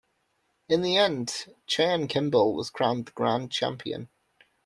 In the end, Cheyenne Kimball was crowned the grand champion.